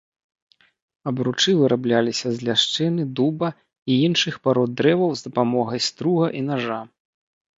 Абручы вырабляліся з ляшчыны, дуба і іншых парод дрэваў з дапамогай струга і нажа.